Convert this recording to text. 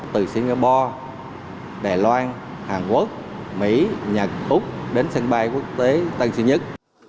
từ singapore đài loan hàn quốc mỹ nhật úc đến sân bay quốc tế tân sơn nhất